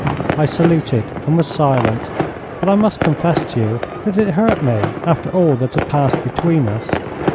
I saluted and was silent, but I must confess to you that it hurt me after all that had passed between us.